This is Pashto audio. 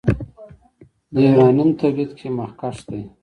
د یورانیم تولید کې مخکښ دی.